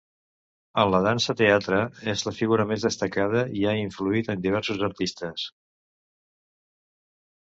En la dansa teatre, és la figura més destacada i ha influït en diversos artistes.